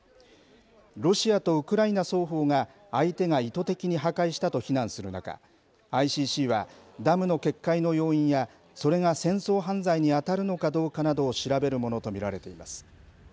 ロシアとウクライナ双方が、相手が意図的に破壊したと非難する中、ＩＣＣは、ダムの決壊の要因や、それが戦争犯罪に当たるのかどうかなどを調べるものと見られています。